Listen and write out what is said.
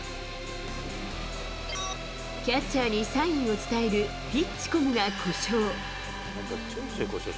キャッチャーにサインを伝えるピッチコムが故障。